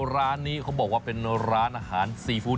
ร้านนี้เขาบอกว่าเป็นร้านอาหารซีฟู้ด